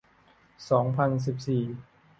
สองพันสิบสี่